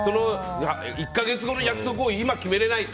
１か月後の約束を今決めれないと。